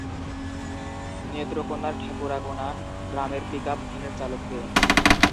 নেত্রকোনার ঠাকুরাকোনা গ্রামের পিকআপ ভ্যানের চালক কে?